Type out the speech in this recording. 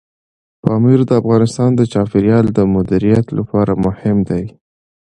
پامیر د افغانستان د چاپیریال د مدیریت لپاره مهم دي.